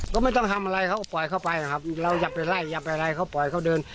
ก็ไม่ต้องทำอะไรเขาก็ปล่อยเข้าไปนะครับเราอย่าไปไล่อย่าไปอะไรเขาปล่อยเขาเดิน